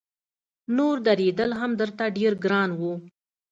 نور درېدل هم ورته ډېر ګران و.